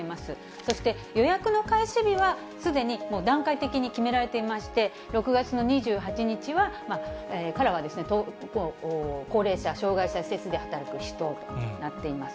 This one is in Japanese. そして、予約の開始日はすでに、もう段階的に決められていまして、６月の２８日からは高齢者、障がい者施設で働く人となっています。